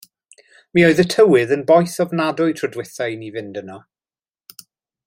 Mi oedd y tywydd yn boeth ofnadwy tro dwytha i ni fynd yno.